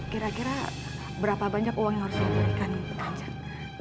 kira kira berapa banyak uang yang harus diberikan